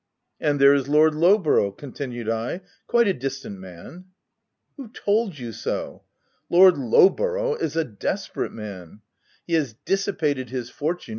"And there is Lord Lowborough/' con tinued I, " quite a decent man." " Who told you so ? Lord Lowborough is a desperate man. He has dissipated his fortune OF WILDFELL HALL.